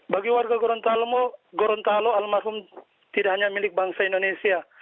bagi warga gorontalo almarhum tidak hanya milik bangsa indonesia